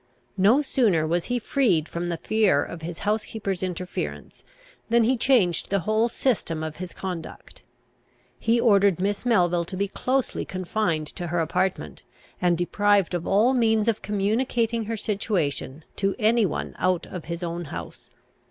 No sooner was he freed from the fear of his housekeeper's interference, than he changed the whole system of his conduct. He ordered Miss Melville to be closely confined to her apartment, and deprived of all means of communicating her situation to any one out of his own house.